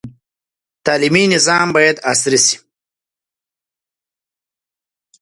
تعلیمي نظام باید عصري سي.